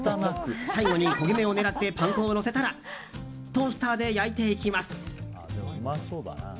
最後に焦げ目を狙ってパン粉をのせたらトースターで焼いていきます。